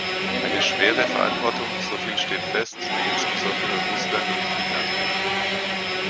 Eine schwere Verantwortung, soviel steht fest, die insbesondere Russland und China trifft.